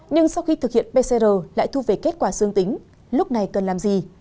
nhưng sau khi thực hiện pcr lại thu về kết quả dương tính lúc này cần làm gì